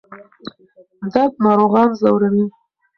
درد ناروغان ځوروي.